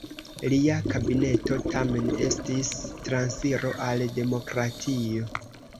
Lia kabineto tamen estis transiro al demokratio.